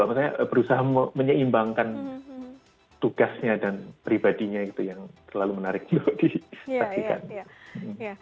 maksudnya berusaha menyeimbangkan tugasnya dan pribadinya gitu yang terlalu menarik juga di saksikan